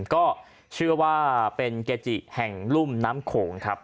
ก็เชื่อว่าเป็นเกจิแห่งรุ่มน้ำโขงครับ